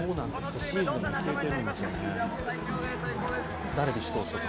シーズン見据えてるんですよね。